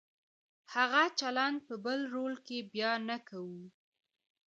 هغه چلند په بل رول کې بیا نه کوو.